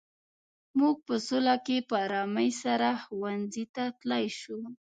موږ په سوله کې په ارامۍ سره ښوونځي ته تلای شو.